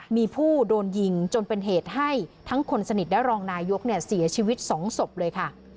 มีผู้โดนยิงจนเป็นเหตุให้ทั้งคนสนิทและรองนายกเสียชีวิต๒ศพเลยค่ะ